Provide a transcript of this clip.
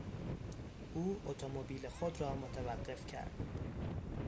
او اتومبیل خود را متوقف کرد.